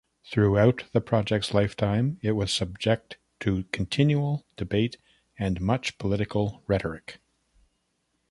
Throughout the project's lifetime it was subject to continual debate and much political rhetoric.